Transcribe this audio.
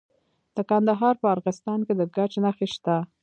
د کندهار په ارغستان کې د ګچ نښې شته.